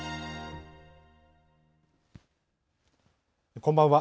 こんばんは。